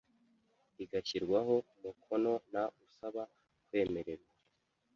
igashyirwaho umukono n usaba kwemererwa